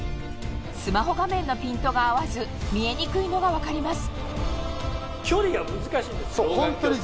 スマホ画面のピントが合わず見えにくいのが分かります